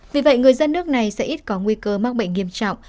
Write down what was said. vì vậy người dân nước này sẽ ít có nguy cơ mắc bệnh nghiêm trọng